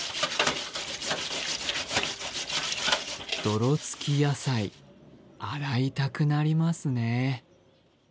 泥つき野菜洗いたくなりますね。